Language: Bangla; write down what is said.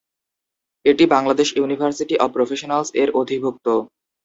এটি বাংলাদেশ ইউনিভার্সিটি অব প্রফেশনালস-এর অধিভূক্ত।